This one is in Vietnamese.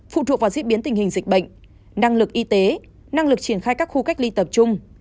phụ thuộc vào diễn biến tình hình dịch bệnh năng lực y tế năng lực triển khai các khu cách ly tập trung